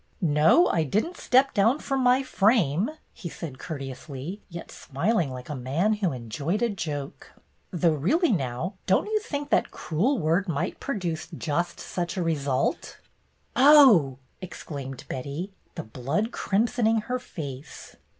"No, I did n't step down from my frame," he said courteously, yet smiling like a man who enjoyed a joke. "Though, really, now, don't you think that cruel word might produce just such a result?" " Oh 1 " exclaimed Betty, the blood crimson ing her face.